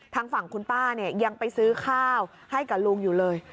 ทางฝั่งคุณป้าเนี่ยยังไปซื้อข้าวให้กับลุงอยู่เลย